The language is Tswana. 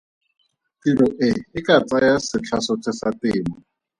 Tiro e ka tsaya setlha sotlhe sa temo.